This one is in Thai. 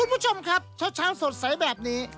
คุณผู้ชมครับเช้าสดใสแบบนี้